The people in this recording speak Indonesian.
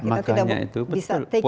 makanya itu betul